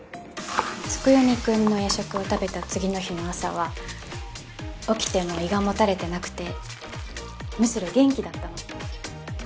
月読くんの夜食を食べた次の日の朝は起きても胃がもたれてなくてむしろ元気だったの。